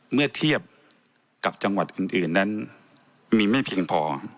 เมื่อเทียบกับจังหวัดอื่นนั้นมีไม่เพียงพอ